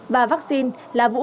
và vaccine là vũ khí